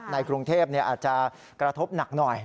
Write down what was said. ในกรุงเทพอาจจะกระทบหนักหน่อย